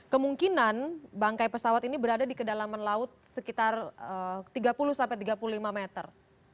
kemungkinan bangkai pesawat ini berada di kedalaman laut sekitar tiga puluh sampai tiga puluh lima meter